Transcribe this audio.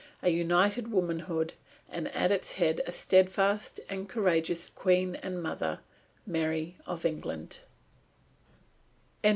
A united womanhood, and at its head a steadfast and courageous Queen and mother, Mary of England.